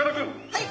はい！